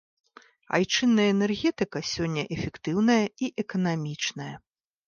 Айчынная энергетыка сёння эфектыўная і эканамічная.